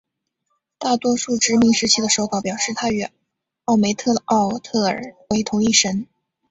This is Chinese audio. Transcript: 大多数殖民时期的手稿表示她与奥梅特奥特尔为同一神。